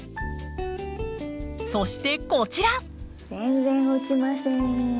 そしてこちら。